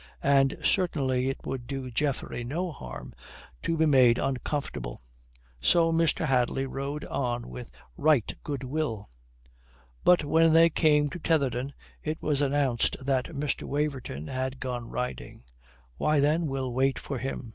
And certainly it would do Geoffrey no harm to be made uncomfortable. So Mr. Hadley rode on with right good will. But when they came to Tetherdown it was announced that Mr. Waverton had gone riding. "Why, then we'll wait for him."